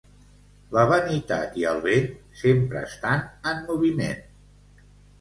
La vanitat i el vent sempre estan en moviment.